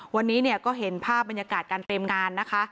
วันนี้เนี่ยก็เห็นภาพบรรยากาศการเตรียมงานนะคะ